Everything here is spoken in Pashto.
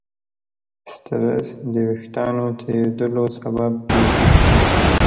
سټرېس د وېښتیانو تویېدلو سبب کېږي.